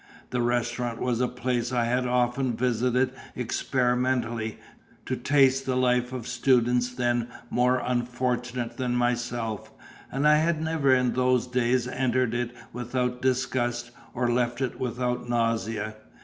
The restaurant was a place I had often visited experimentally, to taste the life of students then more unfortunate than myself; and I had never in those days entered it without disgust, or left it without nausea.